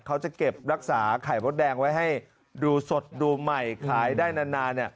เขาจะเก็บรักษาไข่มดแดงไว้ให้ดูสดดูใหม่ขายได้นาน